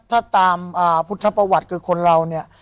ถ้าตามพุทธประวัติคือคนเราเนี่ย